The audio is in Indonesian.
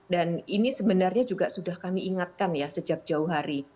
dan ini sebenarnya juga sudah kami ingatkan ya sejak jauh hari